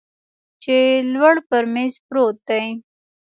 چې لوړ پر میز پروت دی